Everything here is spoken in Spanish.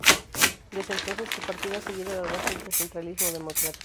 Desde entonces, el partido ha seguido las bases del centralismo democrático.